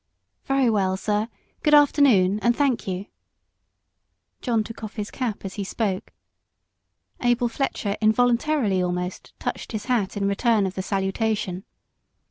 "Very well, sir; good afternoon, and thank you." John took off his cap as he spoke Abel Fletcher, involuntarily almost, touched his hat in return of the salutation.